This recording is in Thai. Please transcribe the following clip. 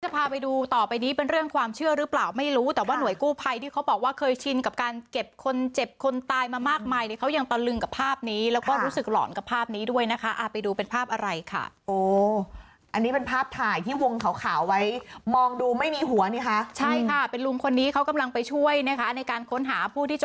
พาไปดูต่อไปนี้เป็นเรื่องความเชื่อหรือเปล่าไม่รู้แต่ว่าหน่วยกู้ภัยที่เขาบอกว่าเคยชินกับการเก็บคนเจ็บคนตายมามากมายเนี่ยเขายังตะลึงกับภาพนี้แล้วก็รู้สึกหลอนกับภาพนี้ด้วยนะคะไปดูเป็นภาพอะไรค่ะโอ้อันนี้เป็นภาพถ่ายที่วงขาวไว้มองดูไม่มีหัวนี่ค่ะใช่ค่ะเป็นลุงคนนี้เขากำลังไปช่วยนะคะในการค้นหาผู้ที่จะ